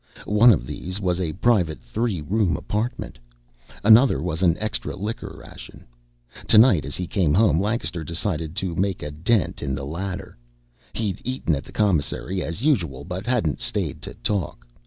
One of these was a private three room apartment. Another was an extra liquor ration. Tonight, as he came home, Lancaster decided to make a dent in the latter. He'd eaten at the commissary, as usual, but hadn't stayed to talk.